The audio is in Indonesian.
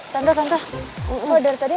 yang sakit saja maksudnya